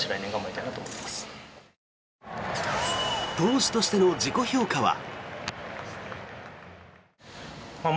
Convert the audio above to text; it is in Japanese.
投手としての自己評価は。